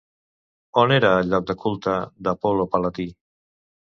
On era el lloc de culte d'Apol·lo Palatí?